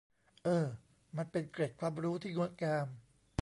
เออ มันเป็นเกร็ดความรู้ที่งดงาม